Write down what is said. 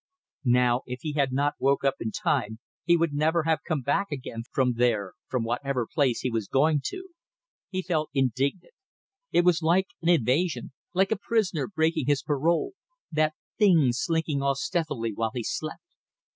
Now, if he had not woke up in time he would never have come back again from there; from whatever place he was going to. He felt indignant. It was like an evasion, like a prisoner breaking his parole that thing slinking off stealthily while he slept.